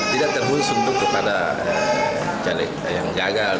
tidak terhusus untuk kepada caleg yang gagal